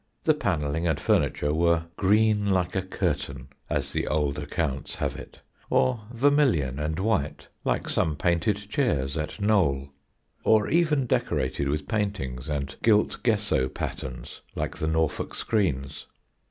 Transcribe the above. The panelling and furniture were "green like a curtain," as the old accounts have it; or vermilion and white, like some painted chairs at Knole; or even decorated with paintings and gilt gesso patterns like the Norfolk screens.